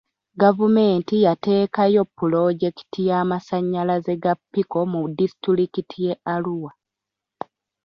Gavumenti yateekayo pulojekiti y'amasanyalaze ga pico mu disitulikiti ye Arua.